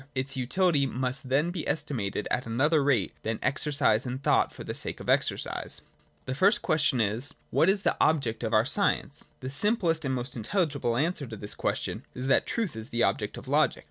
Its utility must then be estimated at another rate than exercise in thought for the sake of the exercise. (i) The first question is : What is the object of our science ? The simplest and most intelligible answer to this question is that Truth is the object of Logic.